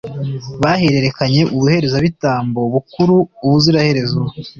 bahererekanye ubuherezabitambo bukuru ubuziraherezo.